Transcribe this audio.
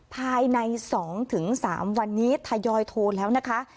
ภายใน๒๓วันนี้ทยอยโทรแล้วนะคะ